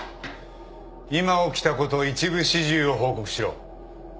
今起きたこと一部始終を報告しろ。